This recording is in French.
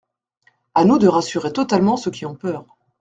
À nous de rassurer totalement ceux qui ont peur.